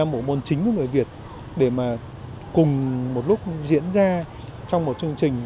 bộ môn chính của người việt để mà cùng một lúc diễn ra trong một chương trình